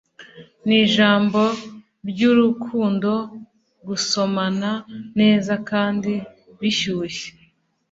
nijambo ryurukundo gusomana neza kandi bishyushye